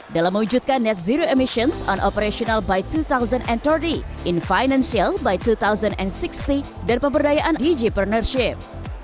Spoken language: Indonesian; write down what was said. dalam mewujudkan net zero emissions on operational by dua ribu tiga puluh in financial by dua ribu enam puluh dan pemberdayaan egpreneurship